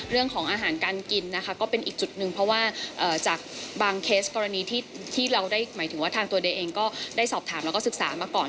เรื่องของอาหารการกินนะคะก็เป็นอีกจุดหนึ่งเพราะว่าจากบางเคสกรณีที่เราได้หมายถึงว่าทางตัวเดย์เองก็ได้สอบถามแล้วก็ศึกษามาก่อน